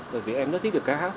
bởi vì em rất thích được cá hát